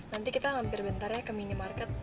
nanti kita hampir bentarnya ke minimarket